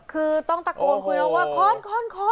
คือต้องตะโกนคุยแล้วว่าค้อน